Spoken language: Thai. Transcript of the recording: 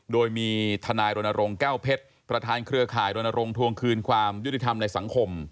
โดยมีทนายรณรงค์แก้วเพชรประธานเครือข่ายรณรงค์ทวงคืนความยุติธรรมในสังคม